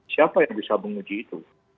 siapa yang bisa menguji itu